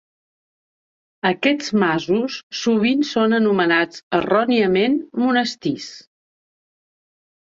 Aquests masos sovint són anomenats erròniament monestirs.